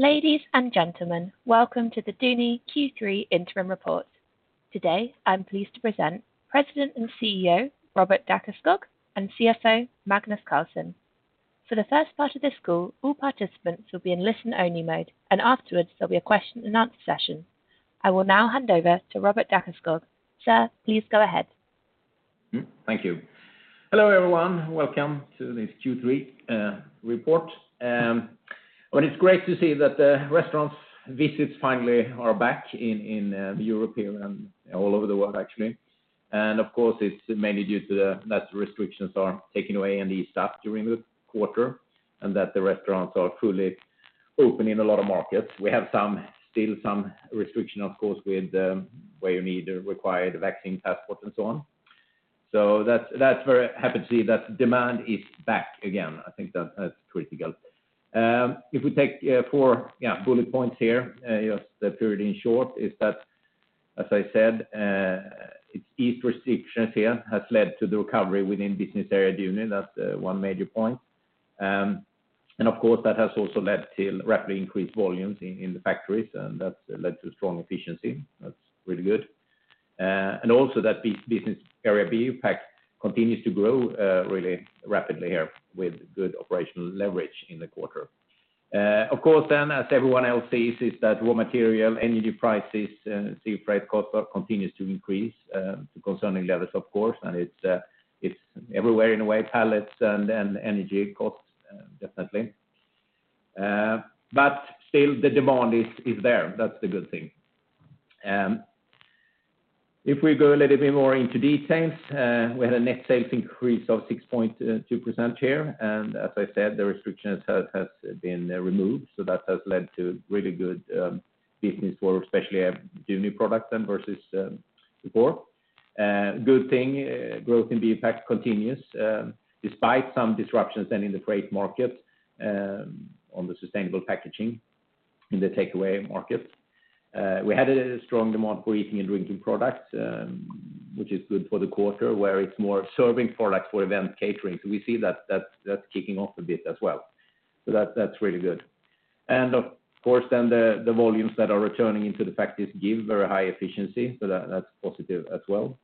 Ladies and gentlemen, welcome to the Duni Q3 Interim Report. Today, I'm pleased to present President and CEO, Robert Dackeskog, and CFO, Magnus Carlsson. For the first part of this call, all participants will be in listen-only mode, and afterwards there'll be a question and answer session. I will now hand over to Robert Dackeskog. Sir, please go ahead. Thank you. Hello, everyone. Welcome to this Q3 report. It's great to see that the restaurants visits finally are back all over the world, actually. Of course, it's mainly due to that restrictions are taken away and eased up during the quarter, and that the restaurants are truly open in a lot of markets. We have still some restriction, of course, where you need a required vaccine passport and so on. That's very happy to see that demand is back again. I think that's critical. If we take four bullet points here, just the period, in short, is that, as I said, it's eased restrictions here has led to the recovery within business area Duni. That's one major point. Of course, that has also led to rapidly increased volumes in the factories, and that's led to strong efficiency. That's really good. Also that business area BioPak continues to grow really rapidly here with good operational leverage in the quarter. As everyone else sees, is that raw material, energy prices, sea freight cost continues to increase to concerning levels, of course. It's everywhere, in a way, pallets and energy costs, definitely. Still, the demand is there. That's the good thing. If we go a little bit more into details, we had a net sales increase of 6.2% here, as I said, the restrictions has been removed. That has led to really good business for especially Duni products then versus before. Good thing, growth in BioPak continues despite some disruptions then in the freight market on the sustainable packaging in the takeaway market. We had a strong demand for eating and drinking products, which is good for the quarter, where it's more serving products for event catering. We see that's kicking off a bit as well. That's really good. Of course then, the volumes that are returning into the factories give very high efficiency, so that's positive as well.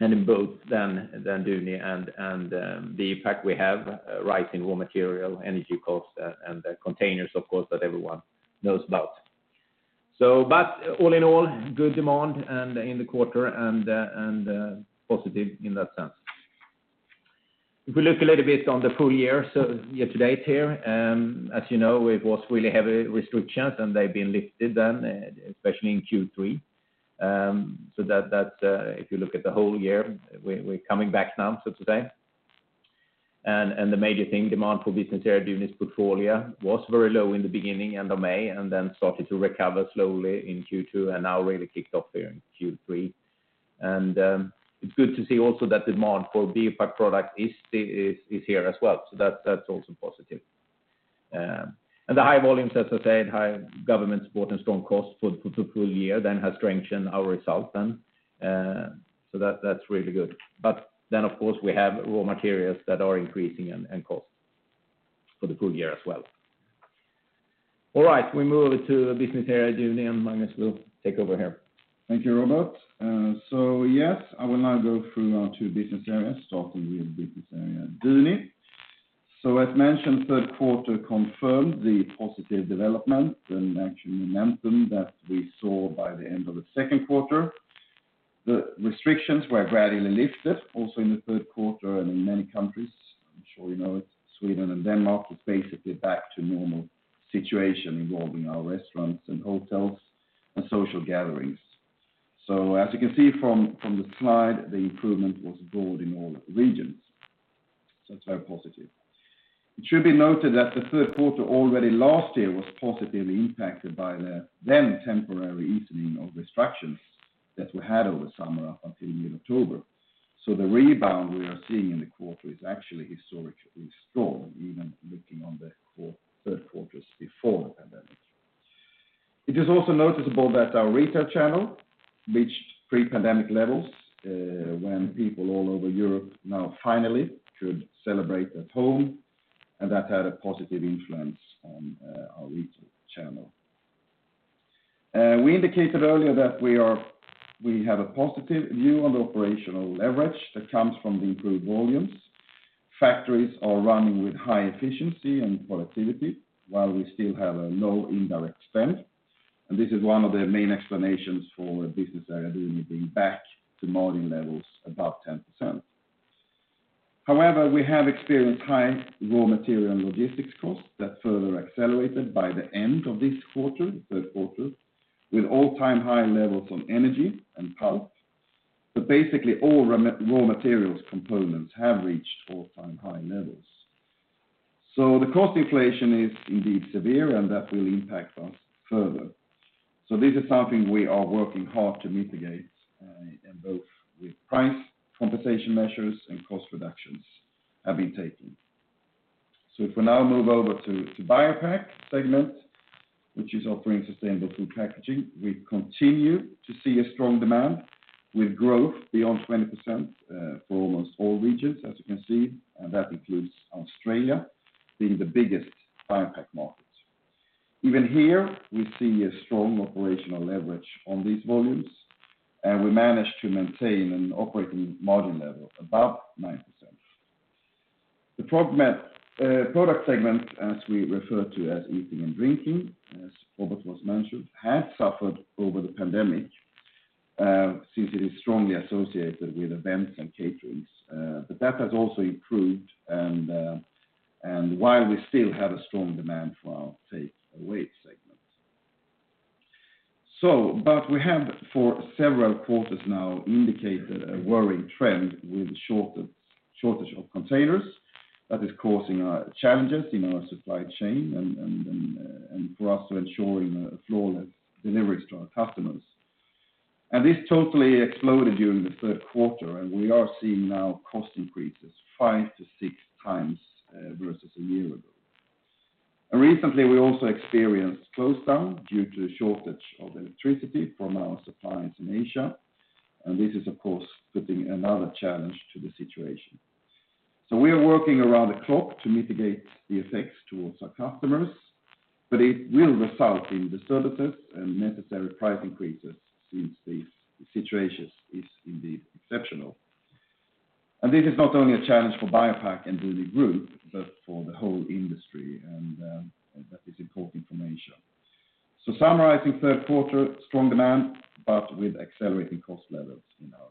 In both then Duni and BioPak we have rise in raw material, energy costs, and the containers, of course, that everyone knows about. All in all, good demand in the quarter and positive in that sense. If we look a little bit on the full year, so year-to-date here, as you know, it was really heavy restrictions, they've been lifted then, especially in Q3. If you look at the whole year, we're coming back now, so today. The major thing, demand for business area Duni's portfolio was very low in the beginning, end of May, then started to recover slowly in Q2 and now really kicked off there in Q3. It's good to see also that demand for BioPak product is here as well. That's also positive. The high volumes, as I said, high government support and strong costs for the full year then has strengthened our results then. That's really good. Of course, we have raw materials that are increasing and costs for the full year as well. All right, we move to the business area Duni, Magnus will take over here. Thank you, Robert. Yes, I will now go through our two business areas, starting with business area Duni. As mentioned, third quarter confirmed the positive development and actually momentum that we saw by the end of the second quarter. The restrictions were gradually lifted also in the third quarter and in many countries. I'm sure you know it, Sweden and Denmark, it's basically back to normal situation involving our restaurants and hotels and social gatherings. As you can see from the slide, the improvement was broad in all regions. It's very positive. It should be noted that the third quarter already last year was positively impacted by the then temporary easing of restrictions that we had over summer up until mid-October. The rebound we are seeing in the quarter is actually historically strong, even looking on the third quarters before the pandemic. It is also noticeable that our retail channel reached pre-pandemic levels, when people all over Europe now finally could celebrate at home, and that had a positive influence on our retail channel. We indicated earlier that we have a positive view on the operational leverage that comes from the improved volumes. Factories are running with high efficiency and productivity, while we still have a low indirect spend. This is one of the main explanations for business area Duni being back to margin levels above 10%. However, we have experienced high raw material and logistics costs that further accelerated by the end of this quarter, third quarter, with all-time high levels on energy and pulp. Basically all raw materials components have reached all-time high levels. The cost inflation is indeed severe, and that will impact us further. This is something we are working hard to mitigate in both with price compensation measures and cost reductions have been taken. If we now move over to BioPak segment, which is offering sustainable food packaging. We continue to see a strong demand with growth beyond 20% for almost all regions, as you can see, and that includes Australia being the biggest BioPak market. Even here, we see a strong operational leverage on these volumes, and we managed to maintain an operating margin level above 9%. The product segment, as we refer to as eating and drinking, as Robert has mentioned, had suffered over the pandemic, since it is strongly associated with events and catering. That has also improved, and while we still have a strong demand for our take-away segments. We have, for several quarters now, indicated a worrying trend with a shortage of containers that is causing challenges in our supply chain and for us ensuring flawless deliveries to our customers. This totally exploded during the third quarter, and we are seeing now cost increases 5x to 6x versus one year ago. Recently, we also experienced close down due to a shortage of electricity from our suppliers in Asia, and this is, of course, putting another challenge to the situation. We are working around the clock to mitigate the effects towards our customers, but it will result in disturbances and necessary price increases since this situation is indeed exceptional. This is not only a challenge for BioPak and Duni Group, but for the whole industry, and that is important information. Summarizing third quarter, strong demand, but with accelerating cost levels in our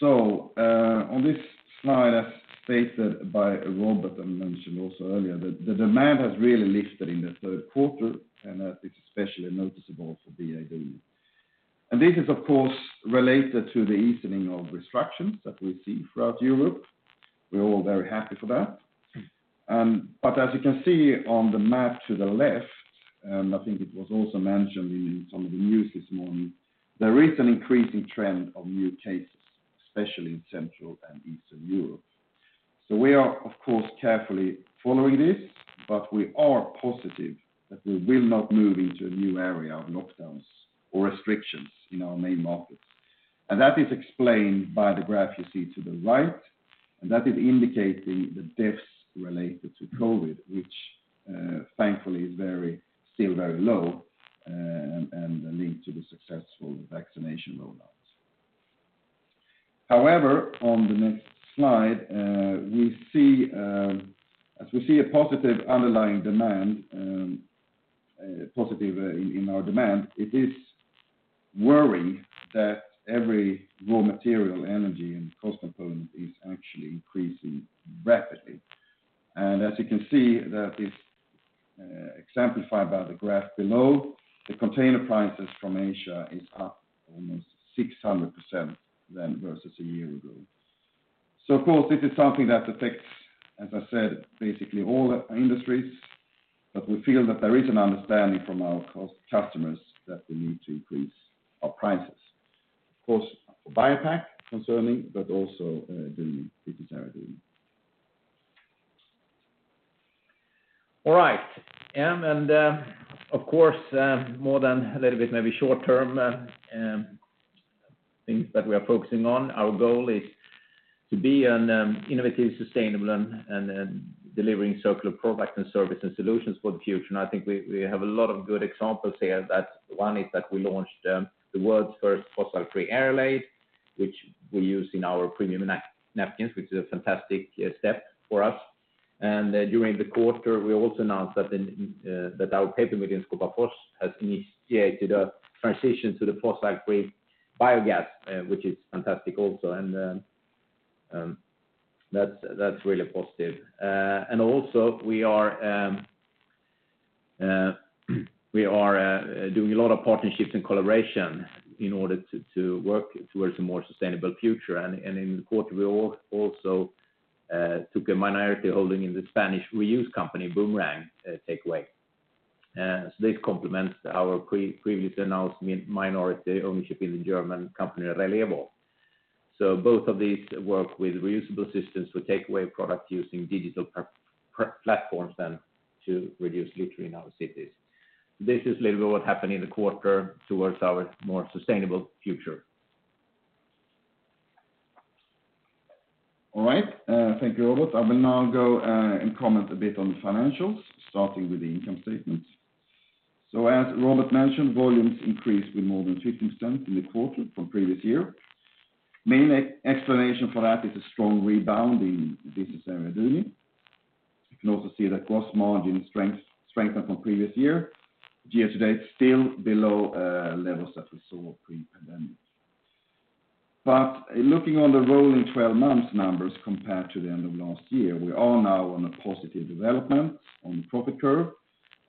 supply chain. On this slide, as stated by Robert and mentioned also earlier, the demand has really lifted in the third quarter, and that is especially noticeable for Duni. This is, of course, related to the easing of restrictions that we see throughout Europe. We're all very happy for that. As you can see on the map to the left, and I think it was also mentioned in some of the news this morning, there is an increasing trend of new cases, especially in Central and Eastern Europe. We are, of course, carefully following this, but we are positive that we will not move into a new area of lockdowns or restrictions in our main markets. That is explained by the graph you see to the right, and that is indicating the deaths related to COVID, which thankfully is still very low and linked to the successful vaccination rollout. However, on the next slide, as we see a positive underlying demand, positive in our demand, it is worrying that every raw material, energy, and cost component is actually increasing rapidly. As you can see, that is exemplified by the graph below, the container prices from Asia is up almost 600% than versus a year ago. Of course, this is something that affects, as I said, basically all industries, but we feel that there is an understanding from our customers that we need to increase our prices. Of course, for BioPak concerning, but also Duni business area Duni. All right. Of course, more than a little bit maybe short-term things that we are focusing on, our goal is to be an innovative, sustainable, and delivering circular product and service and solutions for the future. I think we have a lot of good examples here. One is that we launched the world's first fossil-free airlaid, which we use in our premium napkins, which is a fantastic step for us. During the quarter, we also announced that our paper machine, Skåpafors, has initiated a transition to the fossil-free biogas, which is fantastic also. That's really positive. Also we are doing a lot of partnerships and collaboration in order to work towards a more sustainable future. In the quarter, we also took a minority holding in the Spanish reuse company, Bumerang Takeaway. This complements our previously announced minority ownership in the German company, Relevo. Both of these work with reusable systems for takeaway product using digital platforms then to reduce litter in our cities. This is little what happened in the quarter towards our more sustainable future. All right. Thank you, Robert. I will now go and comment a bit on the financials, starting with the income statement. As Robert mentioned, volumes increased with more than 15% in the quarter from previous year. Main explanation for that is a strong rebound in business area Duni. You can also see that gross margin strengthened from previous year. Year-to-date, still below levels that we saw pre-pandemic. Looking on the rolling 12 months numbers compared to the end of last year, we are now on a positive development on the profit curve.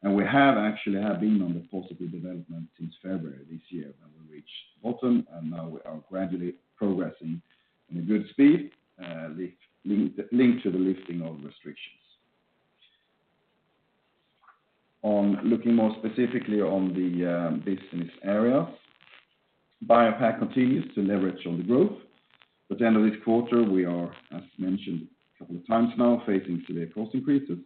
We have actually been on the positive development since February this year, when we reached bottom, and now we are gradually progressing in a good speed, linked to the lifting of restrictions. Looking more specifically on the business areas, BioPak continues to leverage on the growth. At the end of this quarter, we are, as mentioned a couple of times now, facing some cost increases.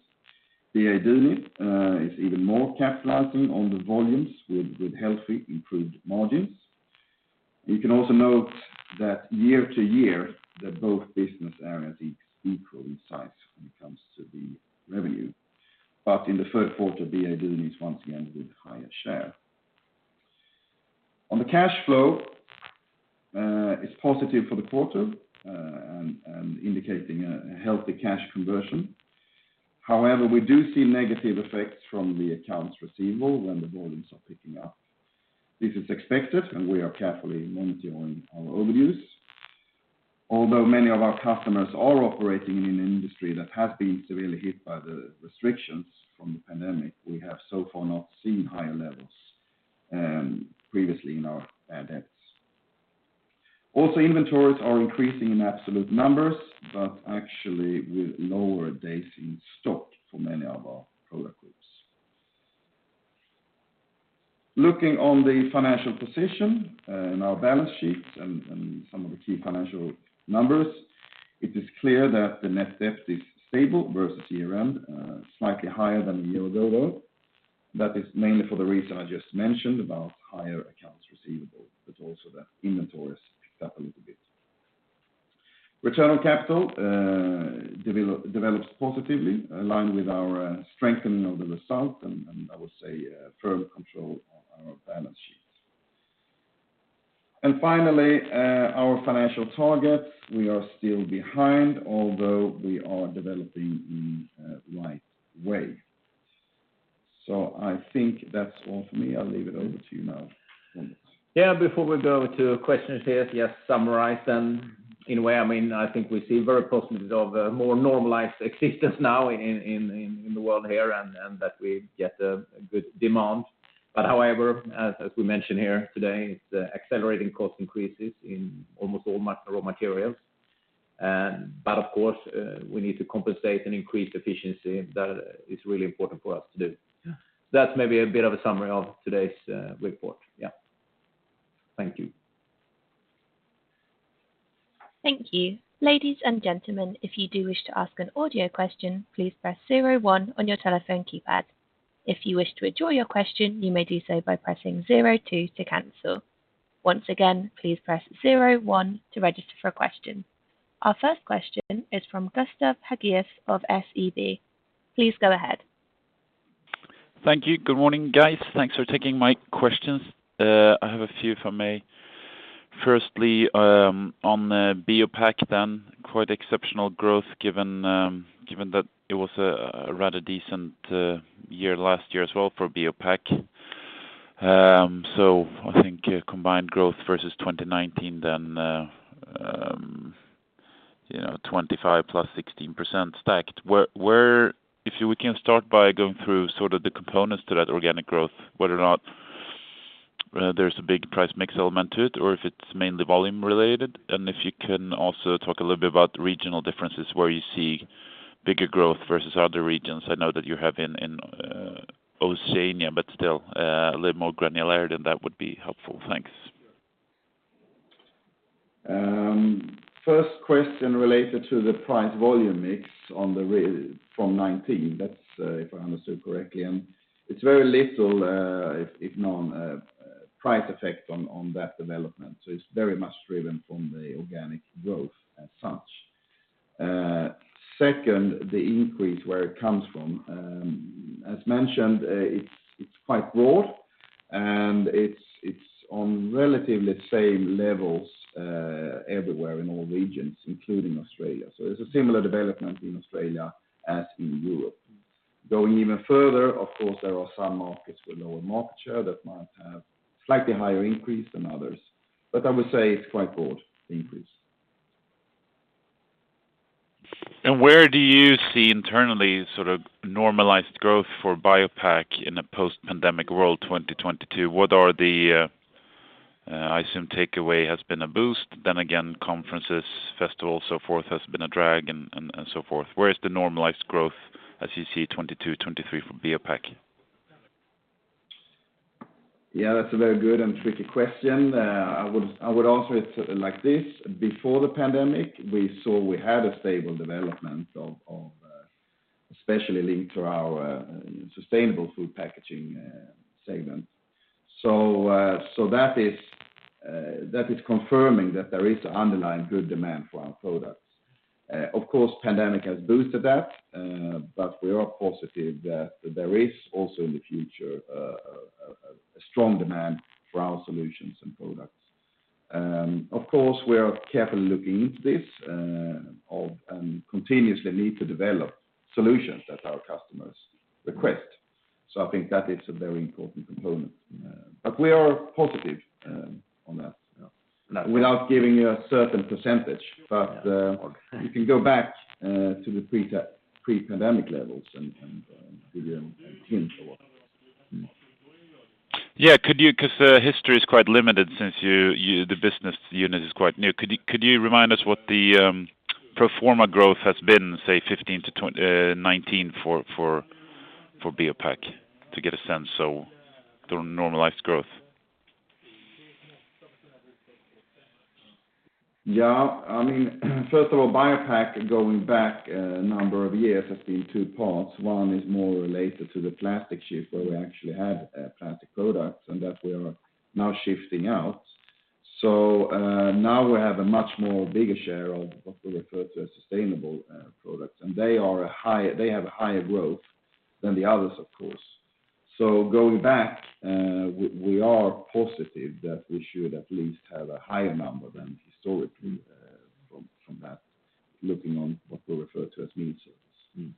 Duni is even more capitalizing on the volumes with healthy improved margins. You can also note that year-to-year, that both business areas are equally sized when it comes to the revenue. In the third quarter, Duni is once again with higher share. On the cash flow, it's positive for the quarter and indicating a healthy cash conversion. However, we do see negative effects from the accounts receivable when the volumes are picking up. This is expected, and we are carefully monitoring our overviews. Although many of our customers are operating in an industry that has been severely hit by the restrictions from the pandemic, we have so far not seen higher levels previously in our bad debts. Inventories are increasing in absolute numbers, but actually with lower days in stock for many of our product groups. Looking on the financial position in our balance sheets and some of the key financial numbers, it is clear that the net debt is stable versus year-end, slightly higher than a year ago, though. That is mainly for the reason I just mentioned about higher accounts receivable, but also that inventory has picked up a little bit. Return on capital develops positively, aligned with our strengthening of the result, and I would say firm control of our balance sheets. Finally, our financial targets, we are still behind, although we are developing in the right way. I think that's all for me. I'll leave it over to you now, Jonas. Before we go over to questions here, summarize then, in a way, I think we see very positive of a more normalized existence now in the world here, and that we get a good demand. As we mentioned here today, it's accelerating cost increases in almost all raw materials. Of course, we need to compensate and increase efficiency, that is really important for us to do. Yeah. That's maybe a bit of a summary of today's report. Yeah. Thank you. Thank you. Ladies and gentlemen, if you do wish to ask an audio question, please press zero one on your telephone keypad. If you wish to withdraw your question, you may do so by pressing zero two to cancel. Once again, please press zero one to register for a question. Our first question is from Gustav Hagéus of SEB. Please go ahead. Thank you. Good morning, guys. Thanks for taking my questions. I have a few, if I may. Firstly, on BioPak then, quite exceptional growth given that it was a rather decent year last year as well for BioPak. I think combined growth versus 2019 then 25% + 16% stacked. If we can start by going through sort of the components to that organic growth, whether or not there's a big price mix element to it or if it's mainly volume related, and if you can also talk a little bit about regional differences where you see bigger growth versus other regions. I know that you have in Oceania, but still, a little more granularity than that would be helpful. Thanks. First question related to the price volume mix from 2019, if I understood correctly, and it's very little, if known, price effect on that development. It's very much driven from the organic growth as such. Second, the increase where it comes from. As mentioned, it's quite broad, and it's on relatively the same levels everywhere in all regions, including Australia. It's a similar development in Australia as in Europe. Going even further, of course, there are some markets with lower market share that might have a slightly higher increase than others. I would say it's quite broad, the increase. Where do you see internally normalized growth for BioPak in a post-pandemic world, 2022? I assume takeaway has been a boost. Again, conferences, festivals, so forth, has been a drag, and so forth. Where is the normalized growth as you see 2022, 2023 for BioPak? Yeah, that's a very good and tricky question. I would answer it like this. Before the pandemic, we saw we had a stable development, especially linked to our sustainable food packaging segment. That is confirming that there is an underlying good demand for our products. Of course, pandemic has boosted that, but we are positive that there is also in the future a strong demand for our solutions and products. Of course, we are carefully looking into this, and continuously need to develop solutions that our customers request. I think that it's a very important component. We are positive on that. Nice. Without giving you a certain percentage you can go back to the pre-pandemic levels and give you a hint or what? Yeah, history is quite limited since the business unit is quite new. Could you remind us what the pro forma growth has been, say, 2015-2019 for BioPak to get a sense of the normalized growth First of all, BioPak, going back a number of years, has been two parts. One is more related to the plastic shift, where we actually had plastic products, and that we are now shifting out. Now we have a much more bigger share of what we refer to as sustainable products, and they have a higher growth than the others, of course. Going back, we are positive that we should at least have a higher number than historically from that, looking on what we refer to as food service.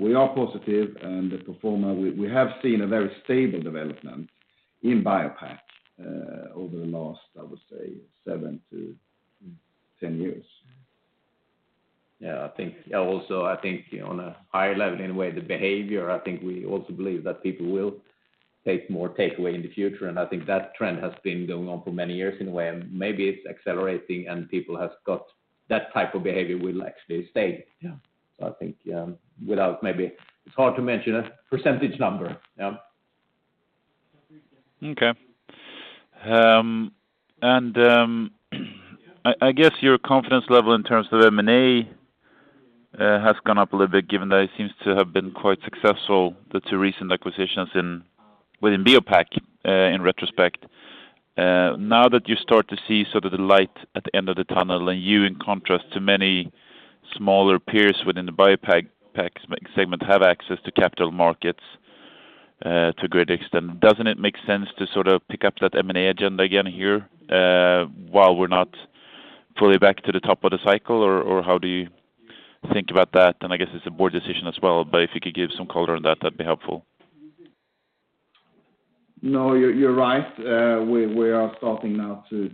We are positive, and the pro forma, we have seen a very stable development in BioPak over the last, I would say, seven years to 10 years. Yeah. Yeah. I think on a higher level, in a way, the behavior, I think we also believe that people will take more takeaway in the future, and I think that trend has been going on for many years, in a way. Maybe it's accelerating, and people have got that type of behavior will actually stay. Yeah. I think, without maybe it's hard to mention a percentage number. Yeah. Okay. I guess your confidence level in terms of M&A has gone up a little bit, given that it seems to have been quite successful, the two recent acquisitions within BioPak, in retrospect. Now that you start to see the light at the end of the tunnel, and you, in contrast to many smaller peers within the BioPak segment, have access to capital markets to a great extent, doesn't it make sense to pick up that M&A agenda again here, while we're not fully back to the top of the cycle, or how do you think about that? I guess it's a board decision as well, but if you could give some color on that'd be helpful. No, you're right. We are starting now to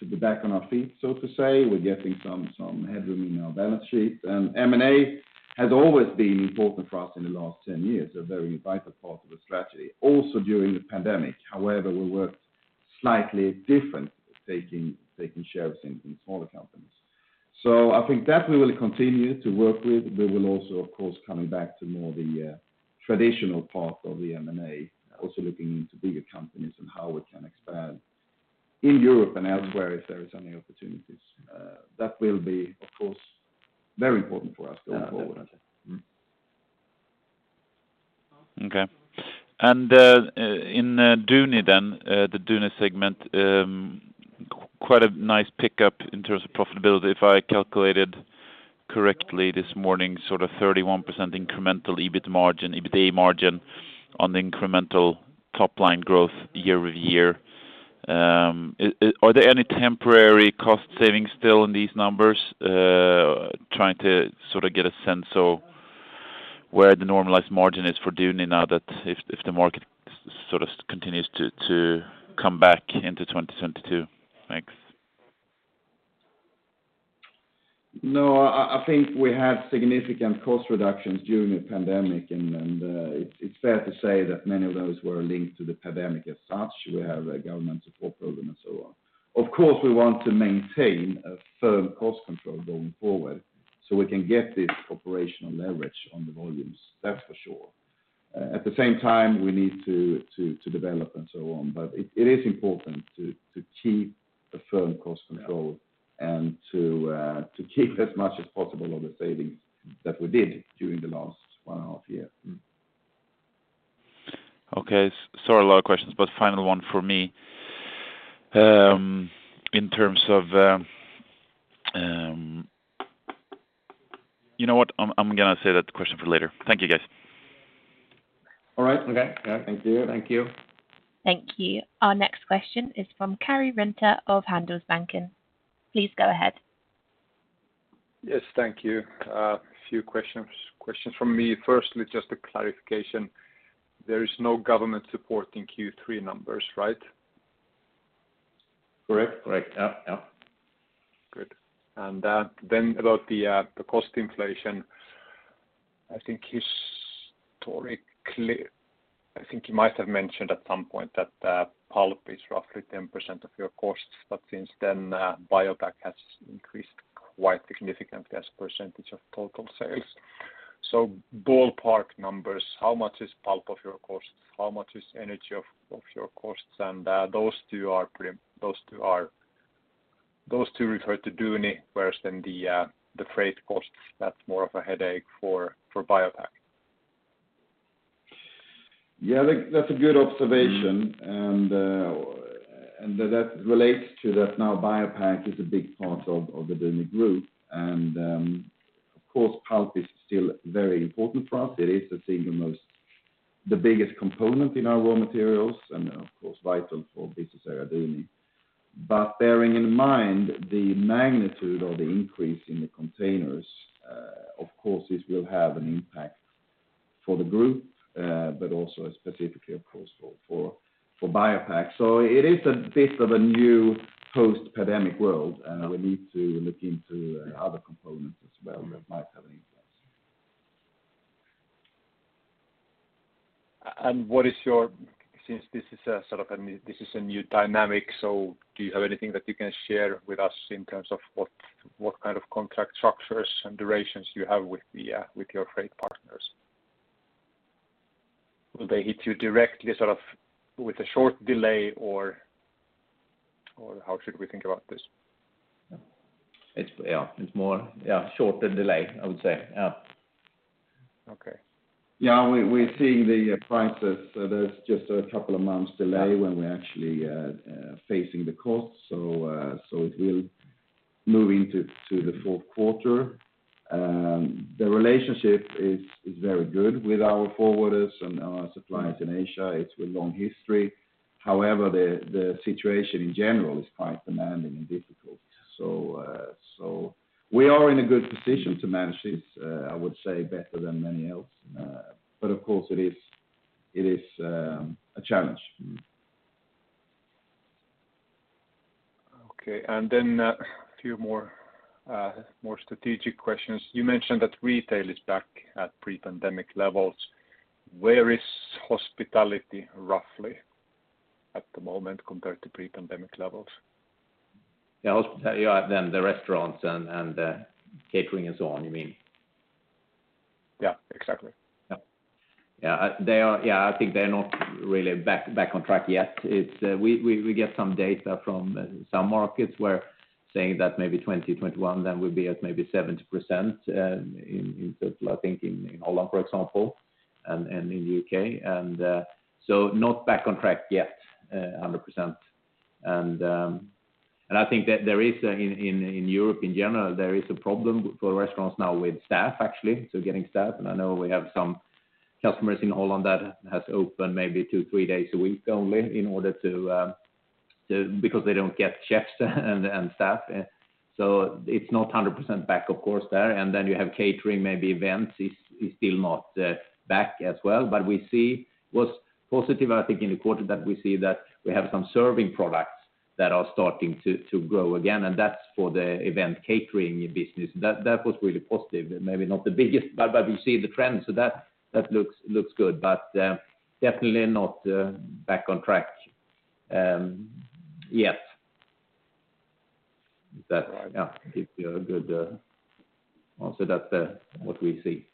be back on our feet, so to say. We're getting some headroom in our balance sheet. M&A has always been important for us in the last 10 years, a very vital part of the strategy. During the pandemic, however, we worked slightly different with taking shares in smaller companies. I think that we will continue to work with. We will also, of course, coming back to more the traditional part of the M&A, also looking into bigger companies and how we can expand in Europe and elsewhere if there is any opportunities. That will be, of course, very important for us going forward. Yeah. Definitely. Okay. In the Duni segment, quite a nice pickup in terms of profitability. If I calculated correctly this morning, 31% incremental EBITA margin on the incremental top-line growth year-over-year. Are there any temporary cost savings still in these numbers? Trying to get a sense of where the normalized margin is for Duni now, if the market continues to come back into 2022. Thanks. No. I think we had significant cost reductions during the pandemic, and it's fair to say that many of those were linked to the pandemic as such. We have a government support program and so on. Of course, we want to maintain a firm cost control going forward so we can get this operational leverage on the volumes. That's for sure. At the same time, we need to develop and so on. It is important to keep a firm cost control and to keep as much as possible of the savings that we did during the last one and a half year. Okay. Sorry, a lot of questions, but final one from me. You know what? I'm going to save that question for later. Thank you, guys. All right. Okay. Yeah. Thank you. Thank you. Thank you. Our next question is from Karri Rinta of Handelsbanken. Please go ahead. Yes. Thank you. A few questions from me. Firstly, just a clarification. There is no government support in Q3 numbers, right? Correct. Yeah. Good. About the cost inflation. I think historically, I think you might have mentioned at some point that pulp is roughly 10% of your costs, but since then, BioPak has increased quite significantly as a percentage of total sales. Ballpark numbers, how much is pulp of your costs? How much is energy of your costs? Those two refer to Duni, whereas then the freight costs, that's more of a headache for BioPak. Yeah. That's a good observation. That relates to that now BioPak is a big part of the Duni Group. Of course, pulp is still very important for us. It is the biggest component in our raw materials, and of course, vital for Business Area Duni. Bearing in mind the magnitude of the increase in the containers, of course, this will have an impact for the group, but also specifically, of course, for BioPak. It is a bit of a new post-pandemic world, and we need to look into other components as well that might have an impact. Since this is a new dynamic, do you have anything that you can share with us in terms of what kind of contract structures and durations you have with your freight partners? Will they hit you directly with a short delay, or how should we think about this? It's more shorter delay, I would say. Yeah. Okay. Yeah. We're seeing the prices. There's just a couple of months delay when we're actually facing the costs. It will move into the fourth quarter. The relationship is very good with our forwarders and our suppliers in Asia. It's with long history. However, the situation in general is quite demanding and difficult. We are in a good position to manage this, I would say, better than many else. Of course it is a challenge. Okay. A few more strategic questions. You mentioned that retail is back at pre-pandemic levels. Where is hospitality roughly at the moment compared to pre-pandemic levels? Yeah. The restaurants and the catering and so on, you mean? Yeah, exactly. Yeah. I think they're not really back on track yet. We get some data from some markets where saying that maybe 2021 then will be at maybe 70% in total, I think, in Holland, for example, and in the U.K. Not back on track yet 100%. I think that there is in Europe in general, there is a problem for restaurants now with staff, actually. Getting staff, and I know we have some customers in Holland that has opened maybe two, three days a week only because they don't get chefs and staff. It's not 100% back of course there. You have catering, maybe events is still not back as well. We see what's positive, I think in the quarter that we see that we have some serving products that are starting to grow again, and that's for the event catering business. That was really positive. Maybe not the biggest, but we see the trend. That looks good. Definitely not back on track yet. Right. Yeah. Give you a good answer. That's what we see.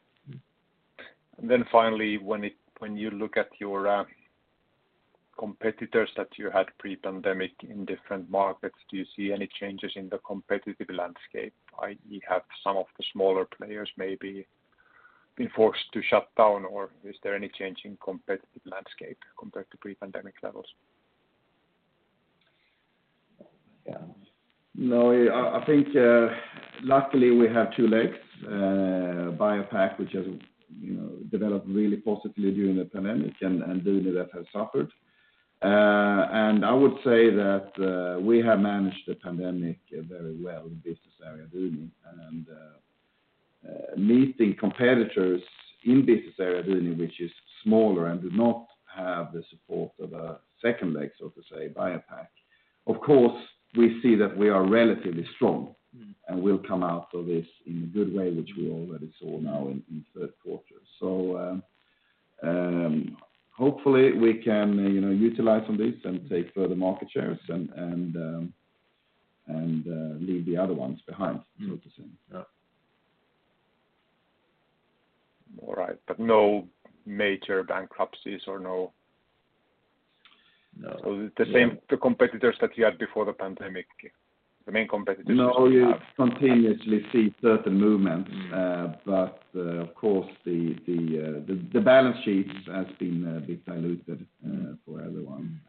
Finally, when you look at your competitors that you had pre-pandemic in different markets, do you see any changes in the competitive landscape, i.e., have some of the smaller players maybe been forced to shut down, or is there any change in competitive landscape compared to pre-pandemic levels? I think luckily we have two legs, BioPak, which has developed really positively during the pandemic, and Duni that has suffered. I would say that we have managed the pandemic very well in business area Duni. Meeting competitors in business area Duni, which is smaller and do not have the support of a second leg, so to say, BioPak. Of course, we see that we are relatively strong and will come out of this in a good way, which we already saw now in third quarter. Hopefully we can utilize on this and take further market shares and leave the other ones behind, so to say. Yeah. All right. No major bankruptcies the competitors that you had before the pandemic, the main competitors you have? You continuously see certain movements. Of course the balance sheets has been a bit diluted for everyone.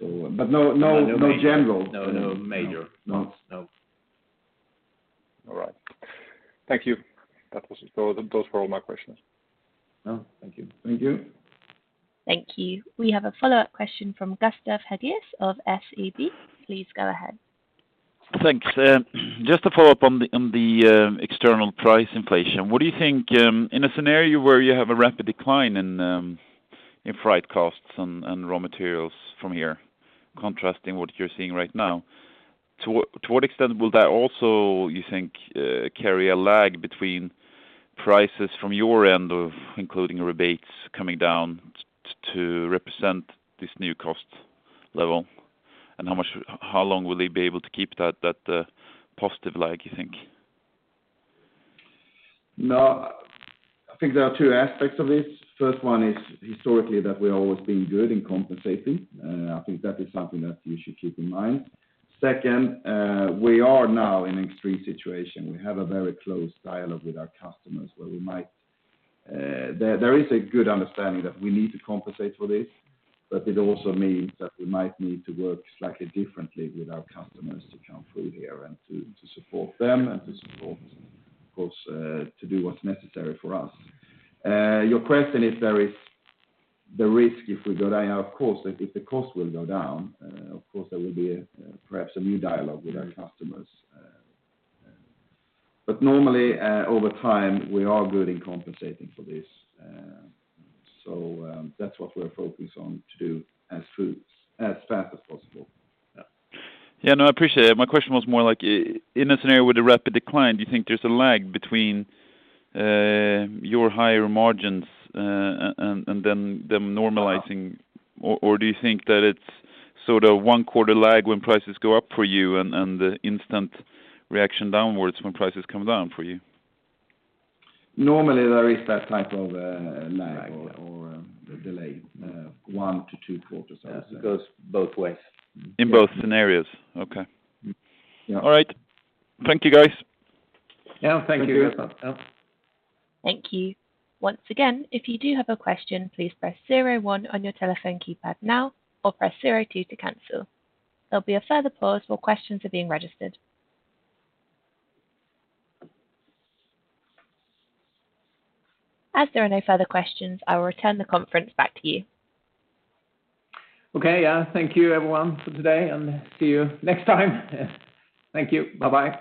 No major ones. No No. All right. Thank you. Those were all my questions. No, thank you. Thank you. Thank you. We have a follow-up question from Gustav Hagéus of SEB. Please go ahead. Thanks. Just to follow up on the external price inflation. What do you think in a scenario where you have a rapid decline in freight costs and raw materials from here contrasting what you're seeing right now, to what extent will that also, you think, carry a lag between prices from your end of including rebates coming down to represent this new cost level? How long will they be able to keep that positive lag, you think? I think there are two aspects of this. First one is historically that we've always been good in compensating. I think that is something that you should keep in mind. Second, we are now in an extreme situation. We have a very close dialogue with our customers where there is a good understanding that we need to compensate for this. It also means that we might need to work slightly differently with our customers to come through here and to support them and to support, of course, to do what's necessary for us. Your question, if there is the risk if we go down, of course, if the cost will go down, of course there will be perhaps a new dialogue with our customers. Normally over time we are good in compensating for this. That's what we're focused on to do as fast as possible. Yeah. No, I appreciate it. My question was more like in a scenario with a rapid decline, do you think there's a lag between your higher margins and them normalizing? Do you think that it's sort of one quarter lag when prices go up for you and the instant reaction downwards when prices come down for you? Normally there is that type of a lag or a delay one to two quarters. It goes both ways. In both scenarios? Okay. Yeah. All right. Thank you, guys. Yeah. Thank you, Gustav. Thank you. Thank you. Once again, if you do have a question, please press zero one on your telephone keypad now or press zero two to cancel. There'll be a further pause while questions are being registered. As there are no further questions, I will return the conference back to you. Okay. Thank you everyone for today, and see you next time. Thank you. Bye-bye